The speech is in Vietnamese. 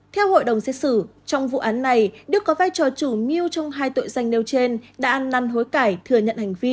theo hội đồng xét xử trong vụ án này đức có vai trò chủ mưu trong hai tội danh nêu trên đã ăn năn hối cải thừa nhận hành vi